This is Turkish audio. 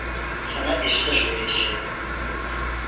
Sana bir sır vereceğim.